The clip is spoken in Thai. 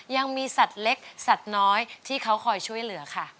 ยังมีสัตว์เล็กสัตว์น้อยที่เขาคอยช่วยเหลือค่ะ